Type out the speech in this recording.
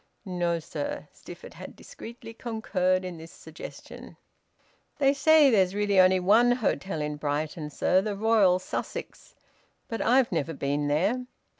"No, sir," Stifford had discreetly concurred in this suggestion. "They say there's really only one hotel in Brighton, sir the Royal Sussex. But I've never been there."